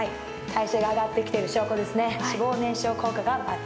代謝が上がってきている証拠ですね。